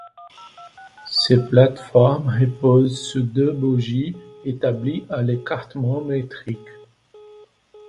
Ces plates-formes reposent sur deux bogies établis à l'écartement métrique.